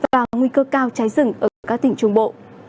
và nguy cơ cao cháy rừng ở các tỉnh trung bộ